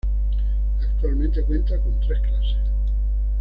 Actualmente cuenta con tres clases.